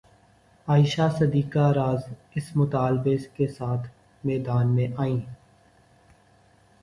عائشہ صدیقہ رض اس مطالبہ کے ساتھ میدان میں آئیں